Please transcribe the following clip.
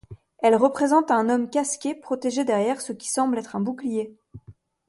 Elle représente un homme casqué, protégé derrière ce qui semble être un bouclier.